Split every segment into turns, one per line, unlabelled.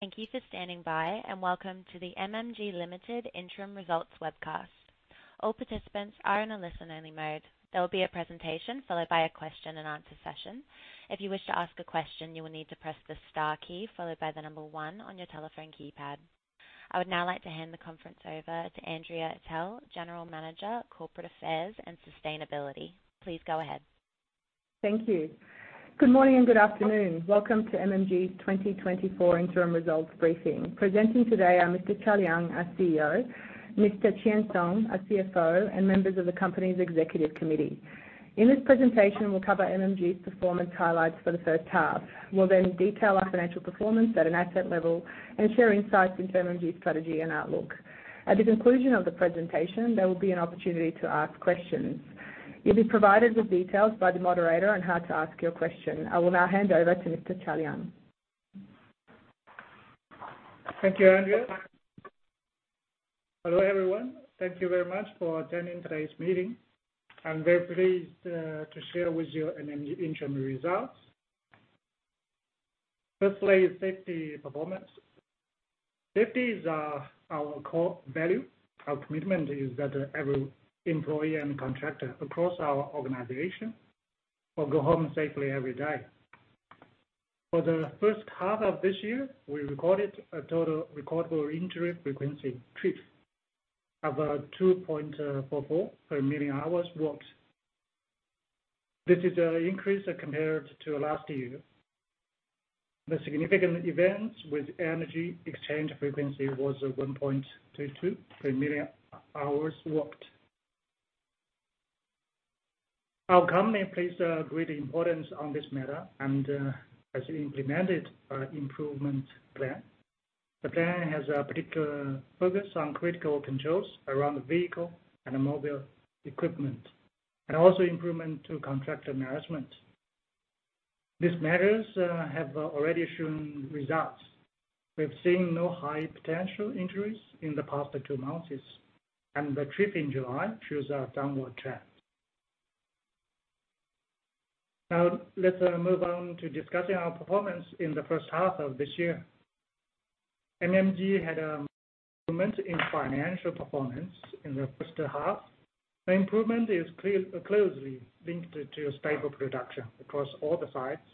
Thank you for standing by, and welcome to the MMG Limited Interim Results webcast. All participants are in a listen-only mode. There will be a presentation followed by a question-and-answer session. If you wish to ask a question, you will need to press the star key followed by the number one on your telephone keypad. I would now like to hand the conference over to Andrea Atell, General Manager, Corporate Affairs and Sustainability. Please go ahead.
Thank you. Good morning, and good afternoon. Welcome to MMG's 2024 interim results briefing. Presenting today are Mr. Cao Liang, our CEO, Mr. Song Qian, our CFO, and members of the company's executive committee. In this presentation, we'll cover MMG's performance highlights for the first half. We'll then detail our financial performance at an asset level and share insights into MMG's strategy and outlook. At the conclusion of the presentation, there will be an opportunity to ask questions. You'll be provided with details by the moderator on how to ask your question. I will now hand over to Mr. Cao Liang.
Thank you, Andrea. Hello, everyone. Thank you very much for attending today's meeting. I'm very pleased to share with you MMG interim results. Firstly, safety performance. Safety is our core value. Our commitment is that every employee and contractor across our organization will go home safely every day. For the first half of this year, we recorded a total recordable injury frequency, TRIF, of 2.44 per million hours worked. This is an increase compared to last year. The significant events with energy exchange frequency was 1.22 per million hours worked. Our company places a great importance on this matter and has implemented an improvement plan. The plan has a particular focus on critical controls around the vehicle and mobile equipment, and also improvement to contractor management. These matters have already shown results. We've seen no high potential injuries in the past two months, and the TRIF in July shows a downward trend. Now, let's move on to discussing our performance in the first half of this year. MMG had an improvement in financial performance in the first half. The improvement is closely linked to stable production across all the sites,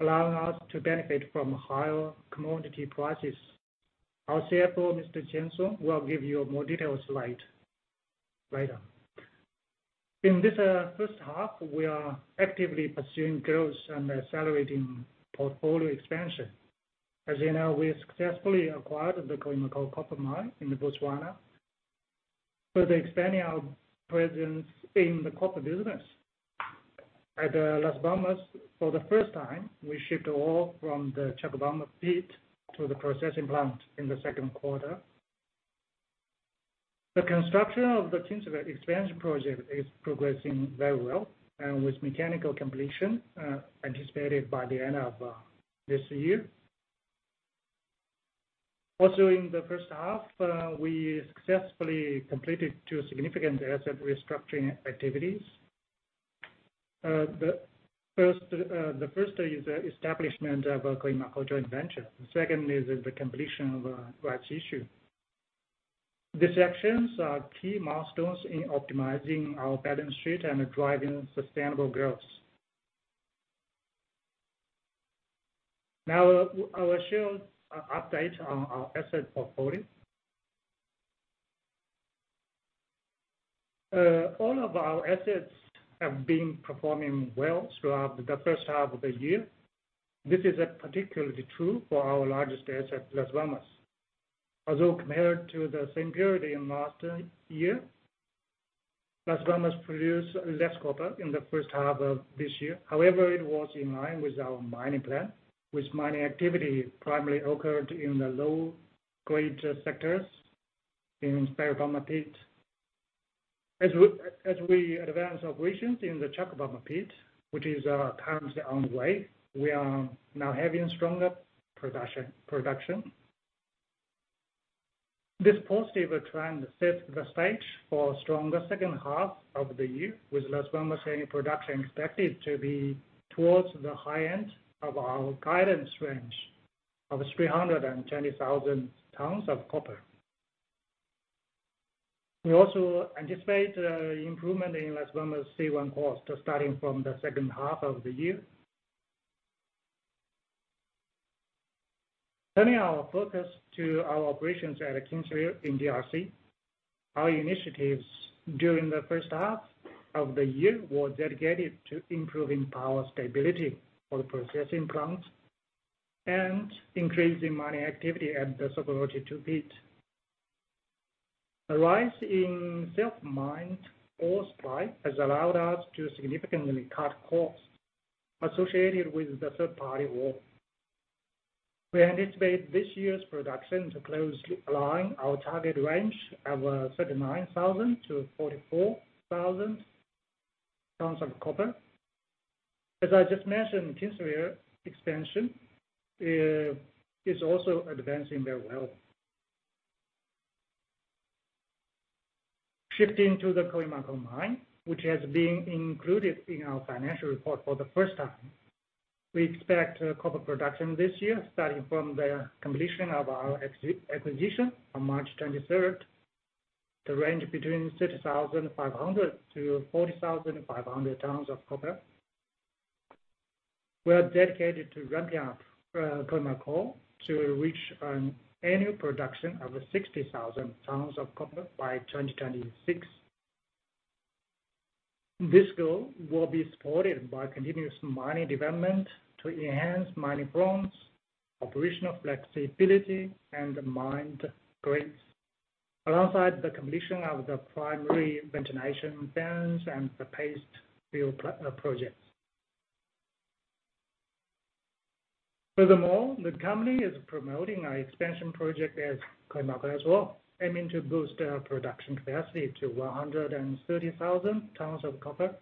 allowing us to benefit from higher commodity prices. Our CFO, Mr. Song Qian, will give you more details later. In this first half, we are actively pursuing growth and accelerating portfolio expansion. As you know, we successfully acquired the Khoemacau copper mine in Botswana, further expanding our presence in the copper business. At Las Bambas, for the first time, we shipped ore from the Chalcobamba pit to the processing plant in the second quarter. The construction of the Kinsevere expansion project is progressing very well, and with mechanical completion anticipated by the end of this year. Also, in the first half, we successfully completed two significant asset restructuring activities. The first is the establishment of a Khoemacau joint venture. The second is the completion of rights issue. These actions are key milestones in optimizing our balance sheet and driving sustainable growth. Now, I will show an update on our asset portfolio. All of our assets have been performing well throughout the first half of the year. This is particularly true for our largest asset, Las Bambas. Although compared to the same period in last year, Las Bambas produced less copper in the first half of this year. However, it was in line with our mining plan, with mining activity primarily occurred in the low-grade sectors in Ferrobamba pit. As we advance operations in the Chalcobamba pit, which is currently on the way, we are now having stronger production. This positive trend sets the stage for a stronger second half of the year, with Las Bambas annual production expected to be towards the high end of our guidance range of 320,000 tons of copper. We also anticipate improvement in Las Bambas' C1 cost, starting from the second half of the year. Turning our focus to our operations at Kinsevere in DRC, our initiatives during the first half of the year were dedicated to improving power stability for the processing plant and increasing mining activity at the Sokoroshe II pit. A rise in self-mined ore supply has allowed us to significantly cut costs associated with the third-party ore. We anticipate this year's production to closely align our target range of 39,000-44,000 tons of copper. As I just mentioned, Kinsevere expansion is also advancing very well. Shifting to the Khoemacau mine, which has been included in our financial report for the first time. We expect copper production this year, starting from the completion of our acquisition on March twenty-third, to range between 30,500-40,500 tons of copper. We are dedicated to ramping up Khoemacau to reach an annual production of 60,000 tons of copper by 2026. This goal will be supported by continuous mining development to enhance mining fronts, operational flexibility, and mine grades, alongside the completion of the primary ventilation vents and the paste fill projects. Furthermore, the company is promoting our expansion project at Khoemacau as well, aiming to boost our production capacity to 130,000 tons of copper.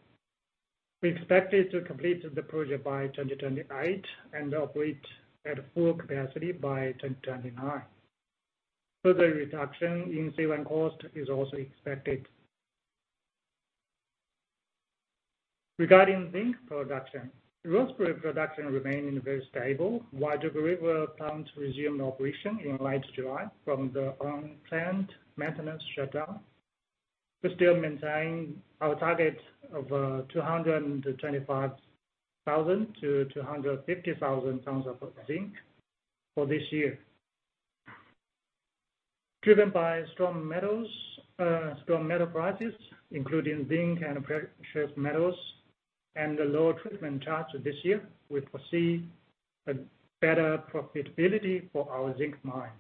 We expected to complete the project by 2028 and operate at full capacity by 2029. Further reduction in selling cost is also expected. Regarding zinc production, roaster production remaining very stable, while the Dugald River plant resumed operation in late July from the unplanned maintenance shutdown. We still maintain our target of 225,000-250,000 tons of zinc for this year. Driven by strong metals, strong metal prices, including zinc and precious metals, and the lower treatment charges this year, we foresee a better profitability for our zinc mines.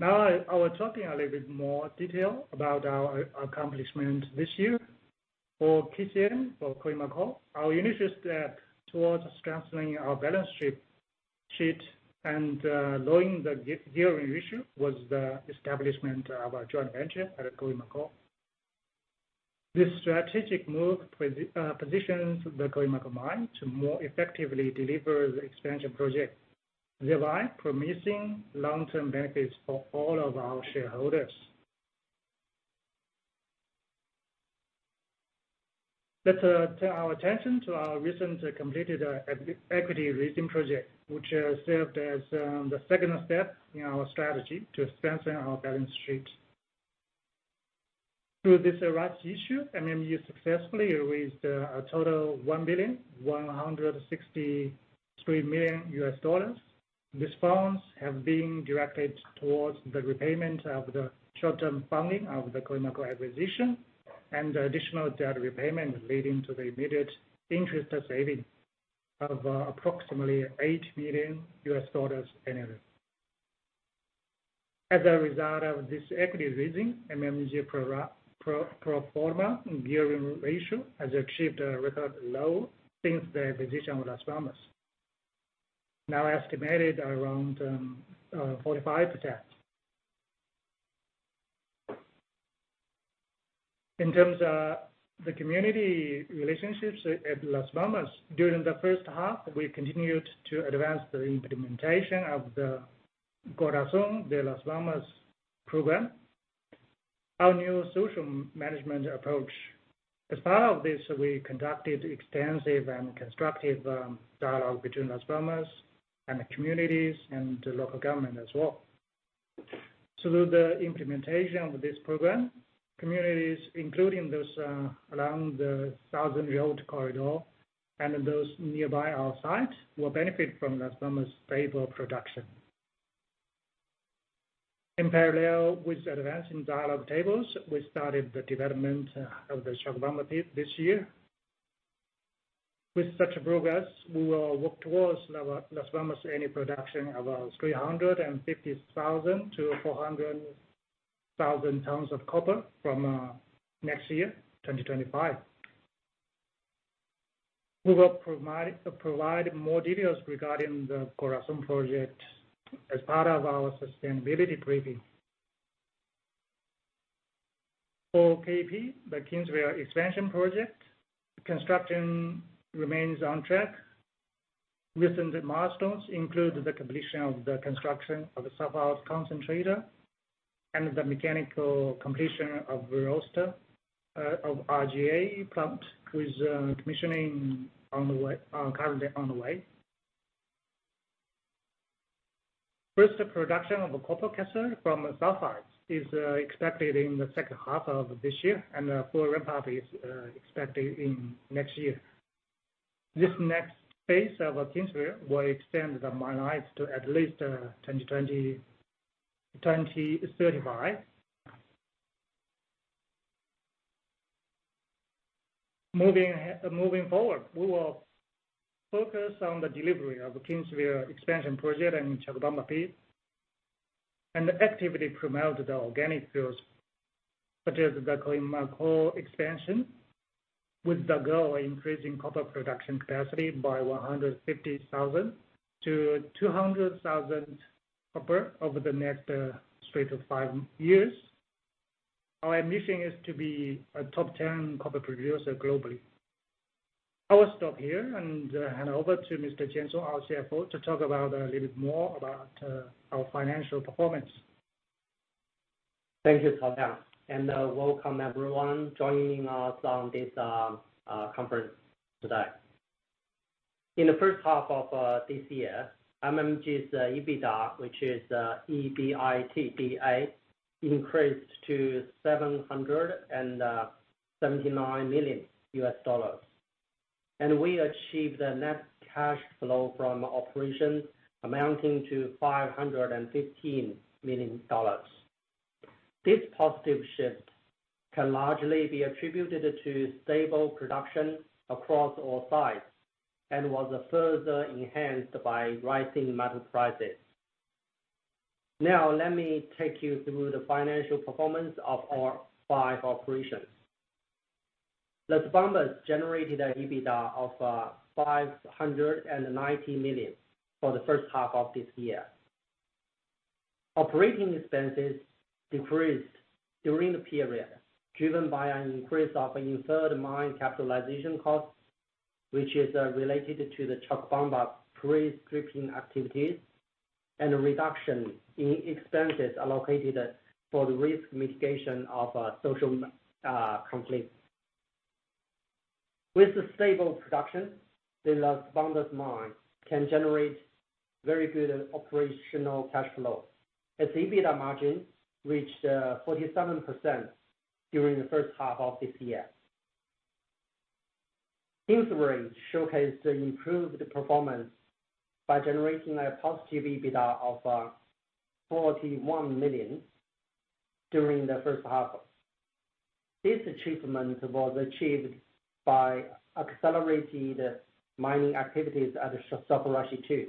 Now, I will talk in a little bit more detail about our accomplishment this year. For KCM, for Khoemacau, our initial step towards strengthening our balance sheet and lowering the gearing ratio was the establishment of our joint venture at Khoemacau. This strategic move positions the Khoemacau mine to more effectively deliver the expansion project, thereby promising long-term benefits for all of our shareholders. Let's turn our attention to our recent completed equity raising project, which served as the second step in our strategy to strengthening our balance sheet. Through this rights issue, MMG successfully raised a total $1.163 billion. These funds have been directed towards the repayment of the short-term funding of the Khoemacau acquisition and additional debt repayment, leading to the immediate interest savings of approximately $8 million annually. As a result of this equity raising, MMG pro forma gearing ratio has achieved a record low since the acquisition with Las Bambas, now estimated around 45%. In terms of the community relationships at Las Bambas, during the first half, we continued to advance the implementation of the Corazón de Las Bambas program, our new social management approach. As part of this, we conducted extensive and constructive dialogue between Las Bambas and the communities and the local government as well. Through the implementation of this program, communities, including those along the Southern Road corridor and those nearby our site, will benefit from Las Bambas stable production. In parallel with advancing dialogue tables, we started the development of the Chalcobamba Pit this year. With such progress, we will work towards Las Bambas annual production of 350,000-400,000 tons of copper from next year, 2025. We will provide, provide more details regarding the Corazón project as part of our sustainability briefing. For KEP, the Kinsevere Expansion Project, construction remains on track. Recent milestones include the completion of the construction of the sulphides concentrator and the mechanical completion of roaster of R&A plant, with commissioning on the way, currently on the way. First production of a copper cathode from a sulphides is expected in the second half of this year, and full ramp up is expected in next year. This next phase of Kinsevere will extend the mine life to at least 2035. Moving forward, we will focus on the delivery of the Kinsevere Expansion Project and Chalcobamba Pit, and actively promote the organic growth, such as the Khoemacau expansion, with the goal of increasing copper production capacity by 150,000-200,000 copper over the next stretch of five years. Our ambition is to be a top 10 copper producer globally. I will stop here and hand over to Mr. Song Qian, our CFO, to talk about a little bit more about our financial performance.
Thank you, Cao Liang, and welcome everyone joining us on this conference today. In the first half of this year, MMG's EBITDA, which is E-B-I-T-D-A, increased to $779 million. We achieved the net cash flow from operations amounting to $515 million. This positive shift can largely be attributed to stable production across all sites and was further enhanced by rising metal prices. Now, let me take you through the financial performance of our five operations. Las Bambas generated an EBITDA of $590 million for the first half of this year. Operating expenses decreased during the period, driven by an increase in deferred mine capitalization costs, which is related to the Chalcobamba pre-stripping activities and a reduction in expenses allocated for the risk mitigation of social conflict. With the stable production, the Las Bambas mine can generate very good operational cash flow. Its EBITDA margin reached 47% during the first half of this year. Kinsevere showcased the improved performance by generating a positive EBITDA of $41 million during the first half. This achievement was achieved by accelerated mining activities at Sokoroshe II,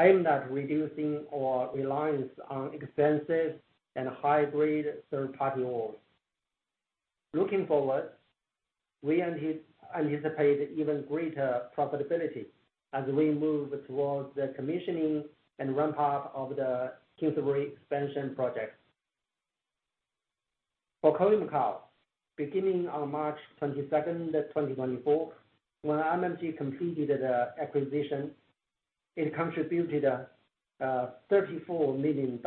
aimed at reducing our reliance on expensive and hybrid third-party ores. Looking forward, we anticipate even greater profitability as we move towards the commissioning and ramp up of the Kinsevere expansion project. For Khoemacau, beginning on March 22nd, 2024, when MMG completed the acquisition, it contributed $34 million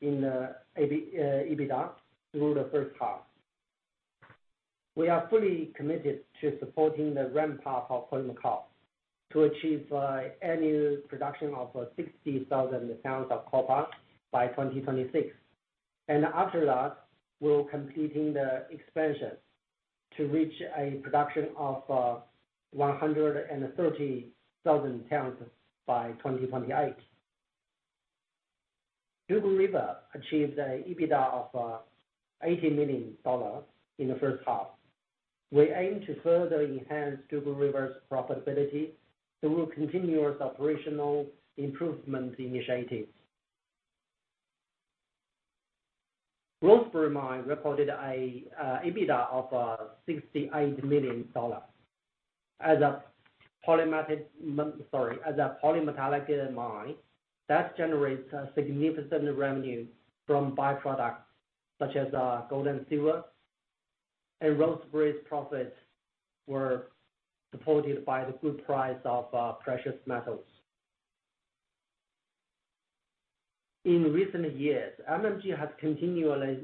in EBITDA through the first half. We are fully committed to supporting the ramp up of Khoemacau to achieve annual production of 60,000 tons of copper by 2026. After that, we're completing the expansion to reach a production of 130,000 tons by 2028. Dugald River achieved an EBITDA of $80 million in the first half. We aim to further enhance Dugald River's profitability through continuous operational improvement initiatives. Rosebery Mine reported an EBITDA of $68 million. As a polymetallic mine, that generates a significant revenue from byproducts such as gold and silver. And Rosebery's profits were supported by the good price of precious metals. In recent years, MMG has continually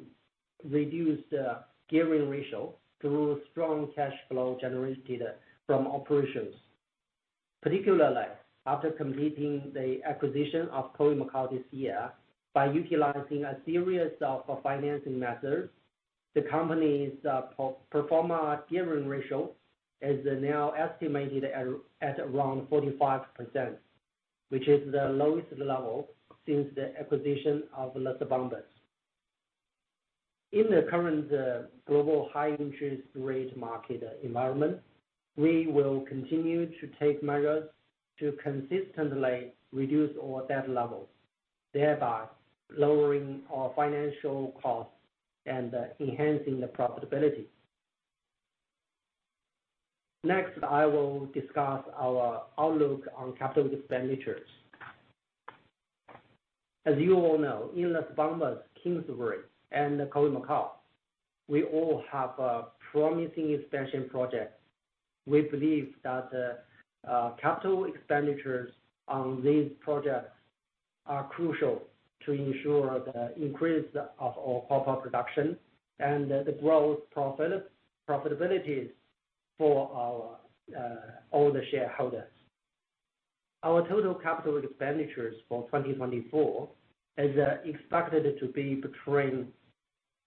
reduced gearing ratio through strong cash flow generated from operations. Particularly, after completing the acquisition of Khoemacau this year, by utilizing a series of financing methods, the company's pro forma gearing ratio is now estimated at around 45%, which is the lowest level since the acquisition of Las Bambas. In the current global high interest rate market environment, we will continue to take measures to consistently reduce our debt levels, thereby lowering our financial costs and enhancing the profitability. Next, I will discuss our outlook on capital expenditures. As you all know, in Las Bambas, Kinsevere and Khoemacau, we all have a promising expansion project. We believe that capital expenditures on these projects are crucial to ensure the increase of our copper production and the growth profit- profitabilities for our all the shareholders. Our total capital expenditures for 2024 is expected to be between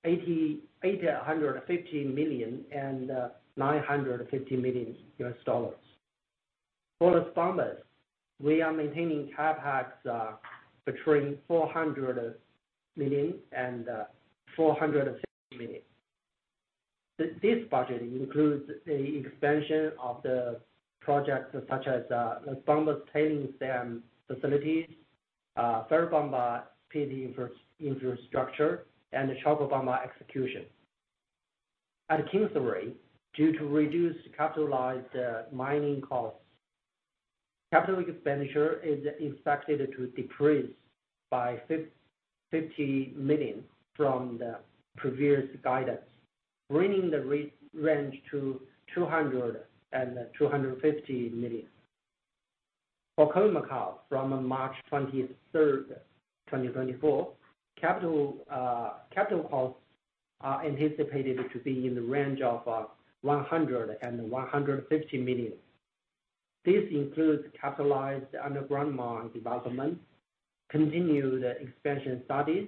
$850 million and $950 million. For Las Bambas, we are maintaining CapEx between $400 million and $460 million. This budget includes the expansion of the projects such as Las Bambas tailings dam facilities, Ferrobamba pit infrastructure, and the Chalcobamba execution. At Kinsevere, due to reduced capitalized mining costs, capital expenditure is expected to decrease by fifty million from the previous guidance, bringing the range to $200 million and $250 million. For Khoemacau, from March twenty-third, 2024, capital costs are anticipated to be in the range of $100 million-$150 million. This includes capitalized underground mine development, continued expansion studies,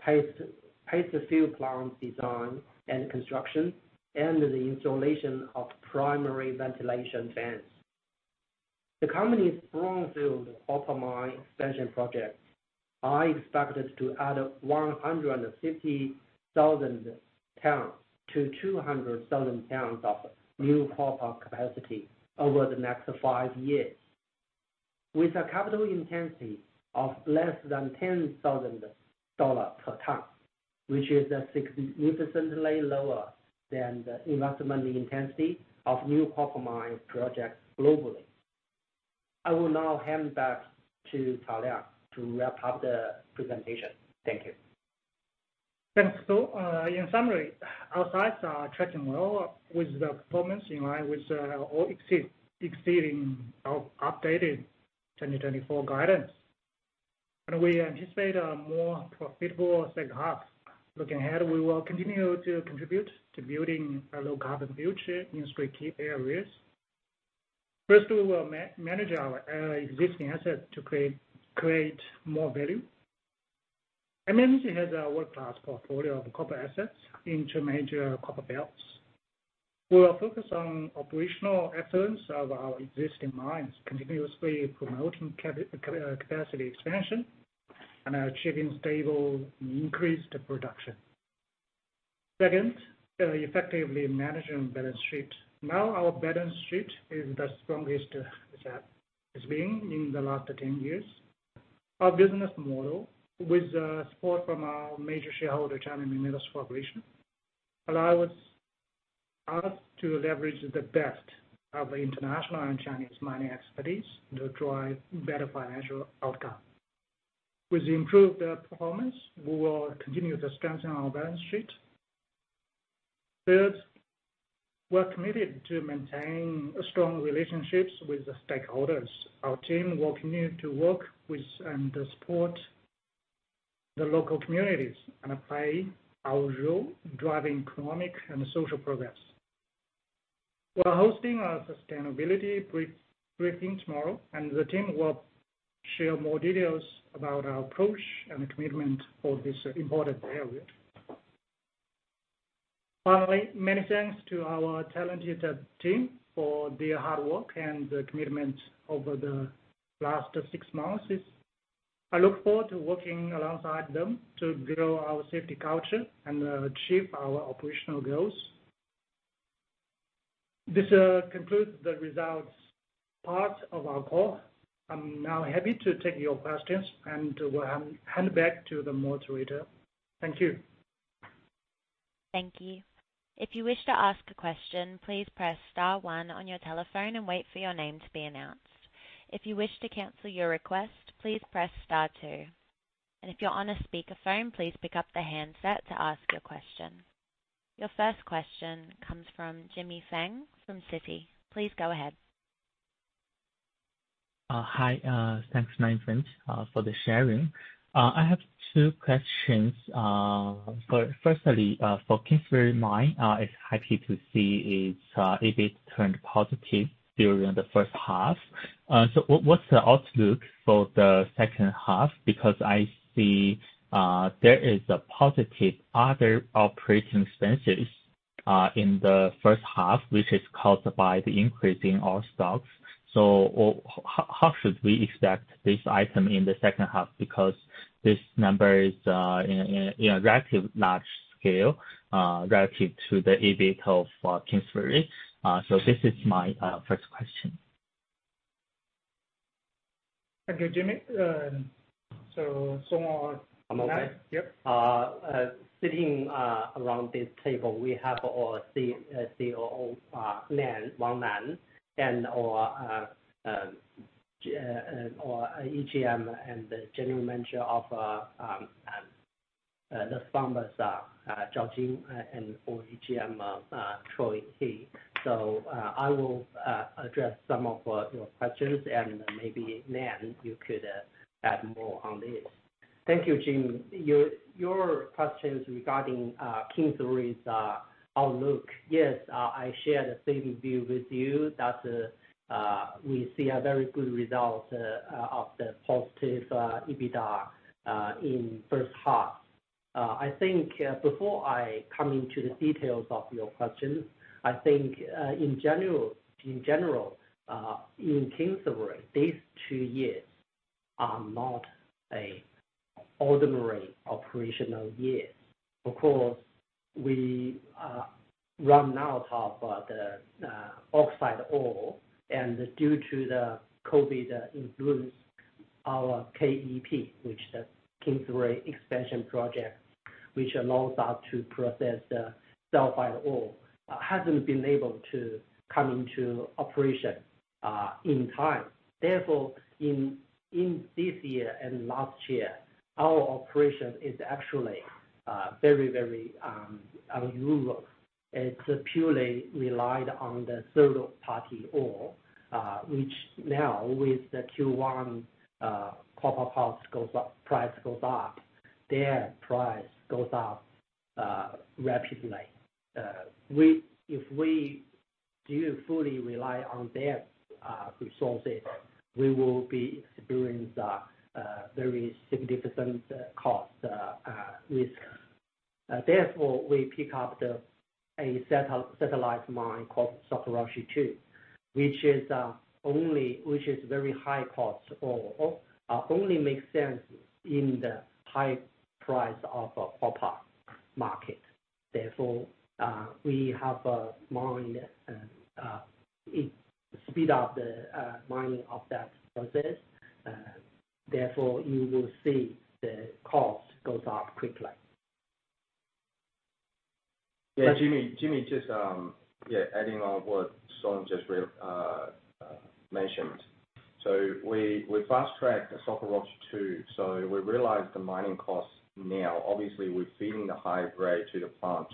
paste, paste fill plant design and construction, and the installation of primary ventilation fans. The company's brownfield copper mine expansion projects are expected to add 150,000 tons to 200,000 tons of new copper capacity over the next five years, with a capital intensity of less than $10,000 per ton, which is significantly lower than the investment intensity of new copper mine projects globally. I will now hand back to Cao Liang to wrap up the presentation. Thank you.
Thanks, so, in summary, our sites are tracking well with the performance in line with, or exceeding our updated 2024 guidance. And we anticipate a more profitable second half. Looking ahead, we will continue to contribute to building a low carbon future in three key areas. First, we will manage our, existing assets to create more value. MMG has a world-class portfolio of copper assets in two major copper belts. We are focused on operational excellence of our existing mines, continuously promoting capacity expansion and achieving stable increased production. Second, effectively managing balance sheet. Now, our balance sheet is the strongest it's at, it's been in the last 10 years. Our business model, with the support from our major shareholder, China Minmetals Corporation, allows us to leverage the best of international and Chinese mining expertise to drive better financial outcome. With improved performance, we will continue to strengthen our balance sheet. Third, we are committed to maintaining strong relationships with the stakeholders. Our team will continue to work with and support the local communities and apply our role in driving economic and social progress. We are hosting our sustainability briefing tomorrow, and the team will share more details about our approach and commitment for this important area. Finally, many thanks to our talented team for their hard work and commitment over the last six months. I look forward to working alongside them to grow our safety culture and achieve our operational goals. This concludes the results part of our call. I'm now happy to take your questions, and we'll hand back to the moderator. Thank you.
Thank you. If you wish to ask a question, please press star one on your telephone and wait for your name to be announced. If you wish to cancel your request, please press star two, and if you're on a speakerphone, please pick up the handset to ask your question. Your first question comes from Jimmy Feng from Citi. Please go ahead.
Hi. Thanks, my friend, for the sharing. I have two questions. But firstly, for Kinsevere Mine, it's happy to see its EBITDA turned positive during the first half. So what, what's the outlook for the second half? Because I see there is a positive other operating expenses in the first half, which is caused by the increase in ore stocks. So how should we expect this item in the second half? Because this number is in a relatively large scale relative to the EBITDA for Kinsevere. So this is my first question.
Thank you, Jimmy. So Song or-
I'm okay.
Yep.
Sitting around this table, we have our COO, Nan Wang, and our EGM and the General Manager of operations, Jing Zhao, and our EGM, Troy Hey. So, I will address some of your questions, and maybe, Nan, you could add more on this.
Thank you, Jimmy. Your questions regarding Kinsevere's outlook. Yes, I share the same view with you that we see a very good result of the positive EBITDA in first half. I think, before I come into the details of your question, I think, in general, in Kinsevere, these two years are not a ordinary operational years. Of course, we run out of the oxide ore, and due to the COVID influence our KEP, which the Kinsevere Expansion Project, which allows us to process the sulphide ore, hasn't been able to come into operation in time. Therefore, in this year and last year, our operation is actually very, very unusual. It's purely relied on the third party ore, which now with the Q1 copper price goes up, price goes up, their price goes up rapidly. If we do fully rely on their resources, we will be experiencing the very significant cost risk. Therefore, we pick up a satellite mine called Sokoroshe II, which is very high cost ore. Only makes sense in the high price of a copper market. Therefore, we have a mine, and it speed up the mining of that process. Therefore, you will see the cost goes up quickly. Yeah, Jimmy, just, yeah, adding on what Song just mentioned. So we fast-tracked Sokoroshe II, so we realized the mining costs now. Obviously, we're feeding the high grade to the plant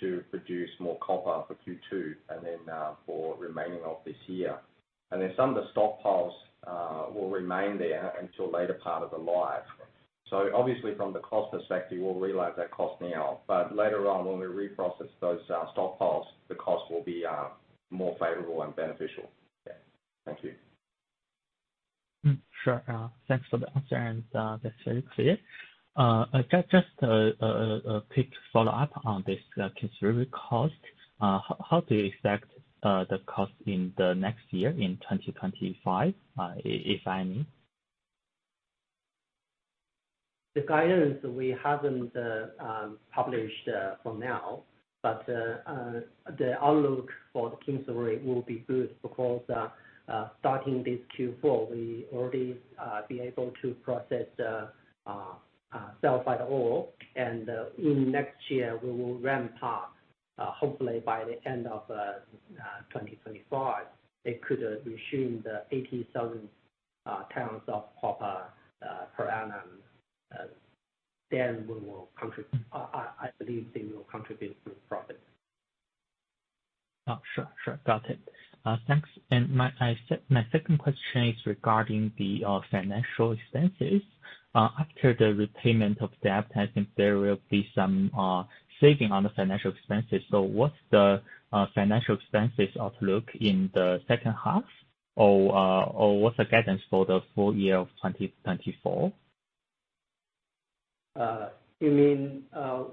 to produce more copper for Q2, and then for remaining of this year. And then some of the stockpiles will remain there until later part of the life. So obviously, from the cost perspective, we'll realize that cost now. But later on, when we reprocess those stockpiles, the cost will be more favorable and beneficial. Yeah. Thank you.
Sure. Thanks for the answer, and that's very clear. I just a quick follow-up on this Kinsevere cost. How do you expect the cost in the next year, in 2025, if I may?
The guidance, we haven't published for now, but the outlook for Kinsevere will be good because starting this Q4, we already be able to process sulphide ore. And in next year, we will ramp up, hopefully by the end of 2025, it could resume the 80,000 tons of copper per annum. Then we will contribute. I believe they will contribute to profit.
Oh, sure, sure. Got it. Thanks. And my second question is regarding the financial expenses. After the repayment of debt, I think there will be some saving on the financial expenses. So what's the financial expenses outlook in the second half? Or, or what's the guidance for the full year of 2024?
You mean,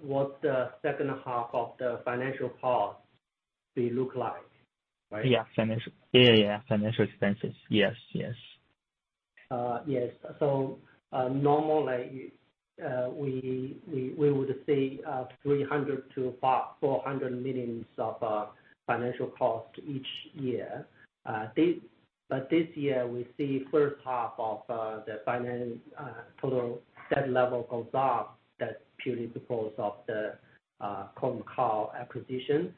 what the second half of the financial part will look like, right?
Yeah, financial. Yeah, yeah, financial expenses. Yes, yes.
Yes. So, normally, we would see $300 million-$400 million of financial cost each year. But this year, we see first half of the finance total debt level goes up. That's purely because of the Khoemacau acquisition.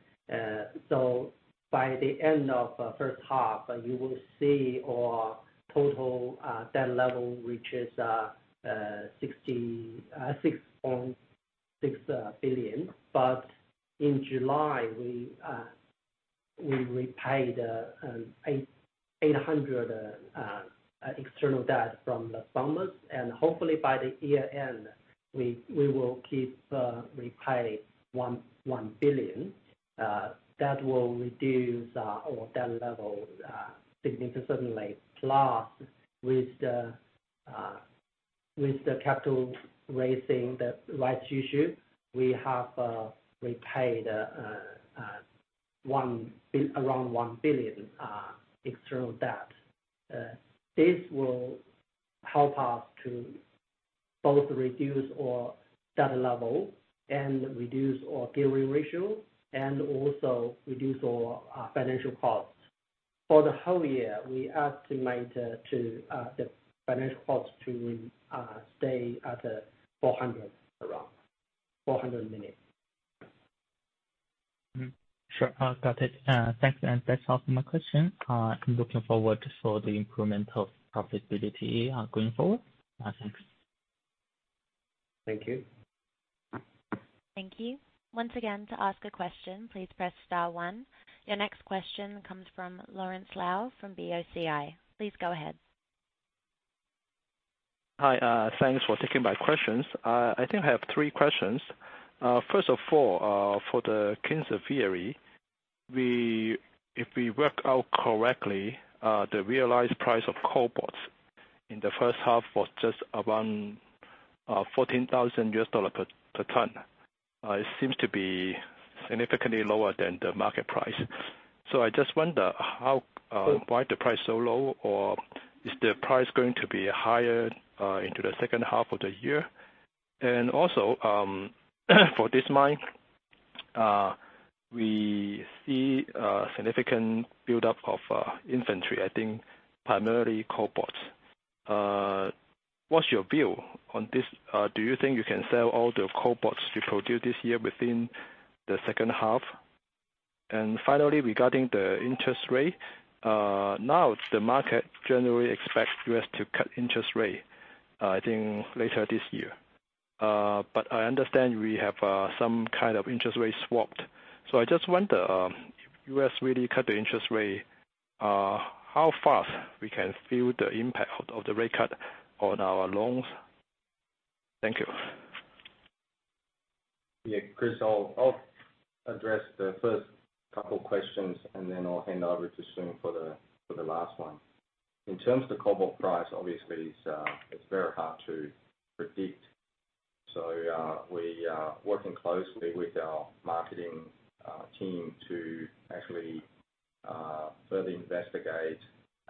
So by the end of first half, you will see our total debt level, which is $66.6 billion. But in July, we repaid $800 million external debt from the shareholders, and hopefully by the year end, we will repay $1 billion. That will reduce our debt level significantly. Plus, with the capital raising the rights issue, we have repaid around $1 billion external debt. This will help us to both reduce our debt level and reduce our gearing ratio, and also reduce our financial costs. For the whole year, we estimate the financial cost to stay at $400, around $400 million.
Sure. Got it. Thanks, and that's all for my question. I'm looking forward for the improvement of profitability, going forward. Thanks.
Thank you.
Thank you. Once again, to ask a question, please press star one. Your next question comes from Lawrence Lau, from BOCI. Please go ahead.
Hi, thanks for taking my questions. I think I have three questions. First of all, for the Kinsevere, we-- if we work out correctly, the realized price of cobalt in the first half was just around $14,000 per ton. It seems to be significantly lower than the market price. So I just wonder how, why the price so low? Or is the price going to be higher, into the second half of the year? And also, for this mine-... we see a significant buildup of inventory, I think primarily cobalt. What's your view on this? Do you think you can sell all the cobalt you produce this year within the second half? And finally, regarding the interest rate, now the market generally expects U.S. to cut interest rate, I think later this year. But I understand we have some kind of interest rate swapped. So I just wonder, if U.S. really cut the interest rate, how fast we can feel the impact of the rate cut on our loans? Thank you.
Yeah, Chris, I'll address the first couple questions, and then I'll hand over to Qian for the last one. In terms of the cobalt price, obviously, it's very hard to predict. So, we are working closely with our marketing team to actually further investigate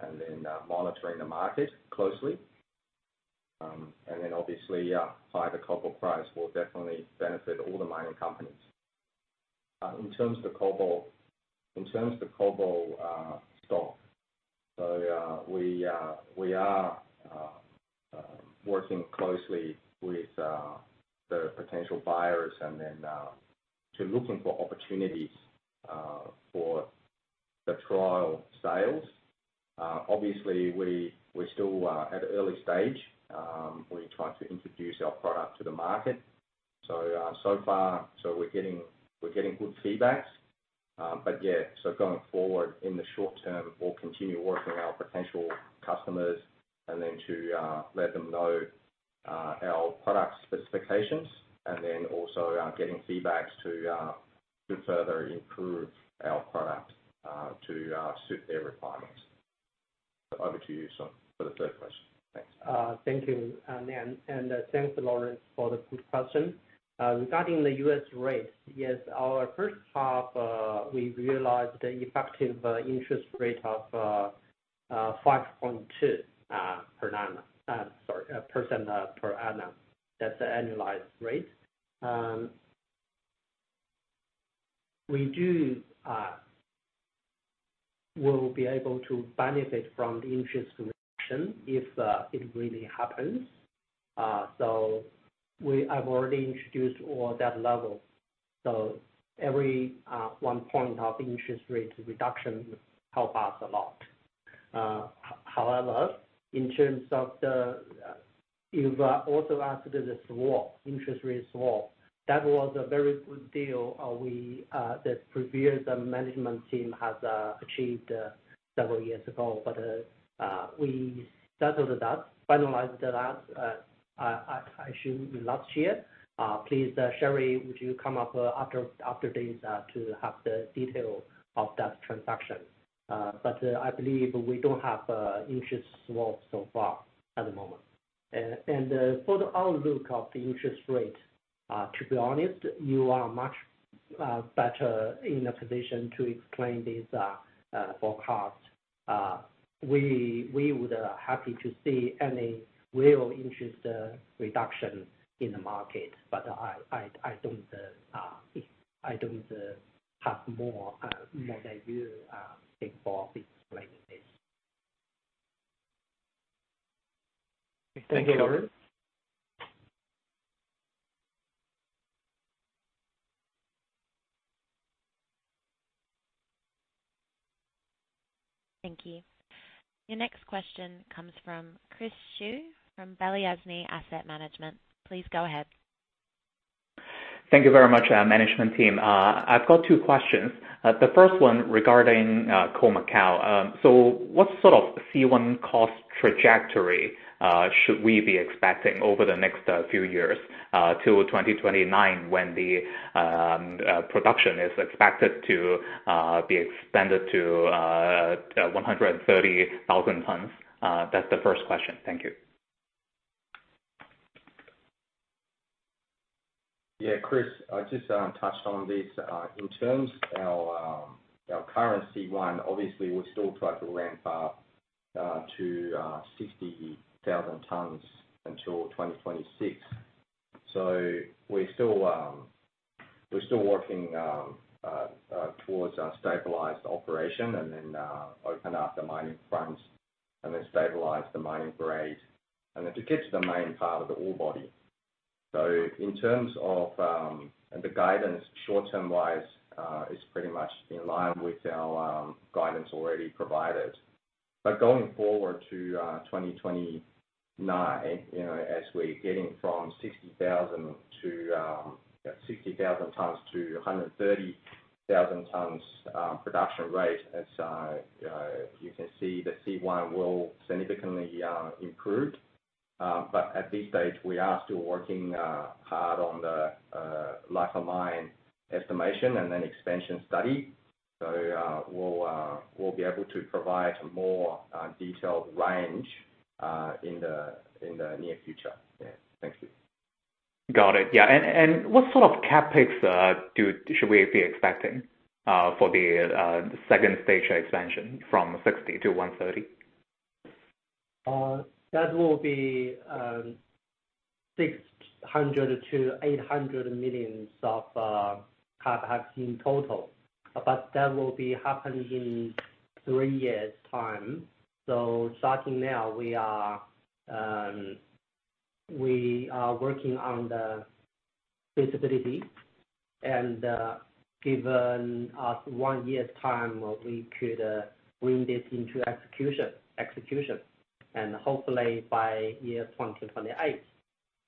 and then monitoring the market closely. And then obviously, higher the cobalt price will definitely benefit all the mining companies. In terms of the cobalt stock, so we are working closely with the potential buyers and then to looking for opportunities for the trial sales. Obviously, we're still at an early stage, we're trying to introduce our product to the market. So, so far, we're getting good feedbacks. Yeah, so going forward, in the short term, we'll continue working with our potential customers and then to let them know our product specifications, and then also getting feedbacks to to further improve our product to suit their requirements. Over to you, Qian, for the third question. Thanks.
Thank you, Nan, and thanks, Lawrence, for the good question. Regarding the U.S. rates, yes, our first half, we realized the effective interest rate of 5.2% per annum. That's the annualized rate. We do will be able to benefit from the interest reduction if it really happens. So we-- I've already introduced all that level. So every one point of interest rate reduction help us a lot. However, in terms of the, you've also asked the swap, interest rate swap. That was a very good deal, we, the previous management team has achieved several years ago. But we settled that, finalized that, I, I, should last year. Please, Sherry, would you come up after this to have the detail of that transaction? But, I believe we don't have interest swap so far at the moment. And, for the outlook of the interest rate, to be honest, you are much better in a position to explain this forecast. We would happy to see any real interest reduction in the market, but I don't have more than you think for explaining this.
Thank you.
Thank you. Your next question comes from Chris Xu from Balyasny Asset Management. Please go ahead.
Thank you very much, management team. I've got two questions. The first one regarding Khoemacau. So what sort of C1 cost trajectory should we be expecting over the next few years till 2029, when the production is expected to be expanded to 130,000 tons? That's the first question. Thank you.
Yeah, Chris, I just touched on this. In terms of our current C1, obviously, we're still trying to ramp up to 60,000 tons until 2026. So we're still working towards a stabilized operation, and then open up the mining fronts, and then stabilize the mining grade, and then to get to the main part of the ore body. So in terms of the guidance short-term wise, is pretty much in line with our guidance already provided. But going forward to 2029, you know, as we're getting from 60,000 tons-130,000 tons production rate, as you can see the C1 will significantly improve. But at this stage, we are still working hard on the life of mine estimation and then expansion study. So, we'll be able to provide more detailed range in the near future. Yeah. Thank you.
Got it. Yeah, and what sort of CapEx should we be expecting for the second stage expansion from 60 to 130?
That will be, 600 million-800 million of capacity in total, but that will be happening in three years' time. So starting now, we are working on the feasibility, and, given us one year's time, we could bring this into execution. And hopefully by year 2028,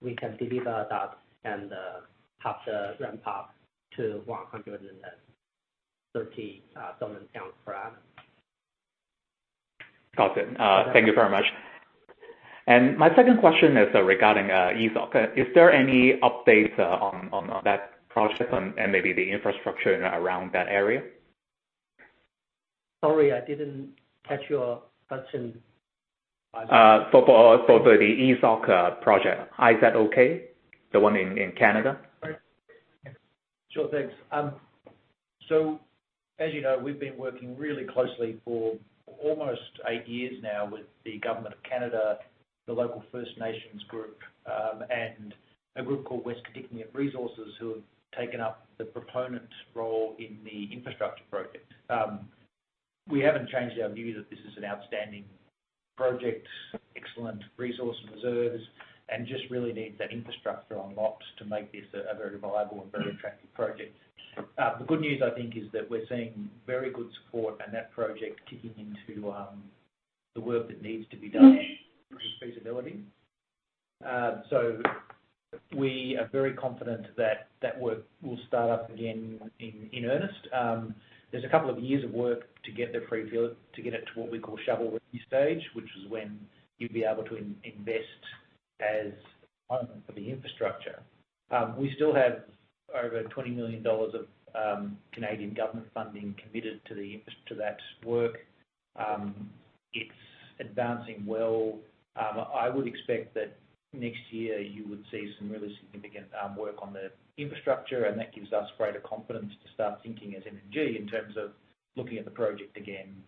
we can deliver that and, have the ramp up to 130 ton per hour.
Got it. Thank you very much. My second question is regarding Izok. Is there any updates on that project and maybe the infrastructure around that area?
Sorry, I didn't catch your question.
For the Izok project. Izok? The one in Canada.
Sure, thanks. So as you know, we've been working really closely for almost eight years now with the government of Canada, the local First Nations group, and a group called West Kitikmeot Resources, who have taken up the proponent role in the infrastructure project. We haven't changed our view that this is an outstanding project, excellent resource and reserves, and just really needs that infrastructure unlocked to make this a very viable and very attractive project. The good news, I think, is that we're seeing very good support and that project kicking into the work that needs to be done with feasibility. So we are very confident that that work will start up again in earnest. There's a couple of years of work to get the pre-feasibility, to get it to what we call shovel-ready stage, which is when you'd be able to invest as owner of the infrastructure. We still have over 20 million dollars of Canadian government funding committed to the infrastructure to that work. It's advancing well. I would expect that next year you would see some really significant work on the infrastructure, and that gives us greater confidence to start thinking as MMG, in terms of looking at the project again,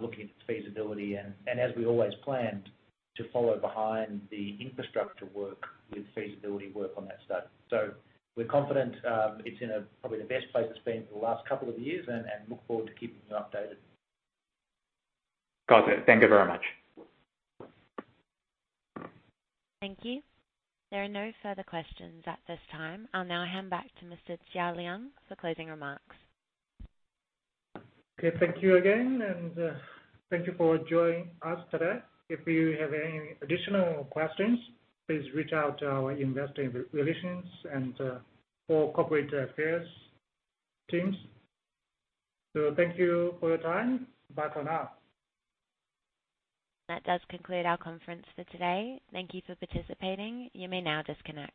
looking at its feasibility, and, and as we always planned, to follow behind the infrastructure work with feasibility work on that study. So we're confident, it's in a, probably the best place it's been for the last couple of years and, and look forward to keeping you updated.
Got it. Thank you very much.
Thank you. There are no further questions at this time. I'll now hand back to Mr. Cao Liang for closing remarks.
Okay, thank you again, and, thank you for joining us today. If you have any additional questions, please reach out to our investor relations and, or corporate affairs teams. So thank you for your time. Bye for now.
That does conclude our conference for today. Thank you for participating. You may now disconnect.